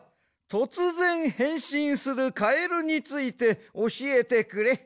とつぜんへんしんするカエルについておしえてくれ。